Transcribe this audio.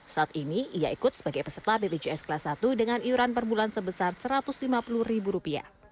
saat ini ia ikut sebagai peserta bpjs kelas satu dengan iuran per bulan sebesar rp satu ratus lima puluh